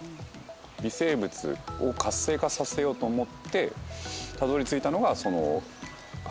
微生物を活性化させようと思ってたどりついたのがその。